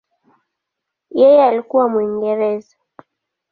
Yeye alikuwa Mwingereza.